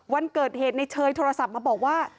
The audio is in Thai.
วันเกิดเหตุในเชยโทรศัพท์มาบอกว่า